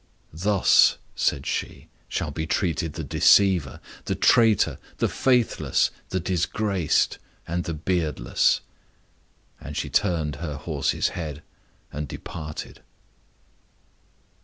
"Thus," said she, "shall be treated the deceiver, the traitor, the faithless, the disgraced, and the beardless." And she turned her horse's head and departed.